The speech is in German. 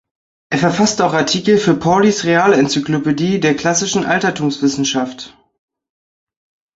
Er verfasste auch Artikel für Paulys Realencyclopädie der classischen Altertumswissenschaft.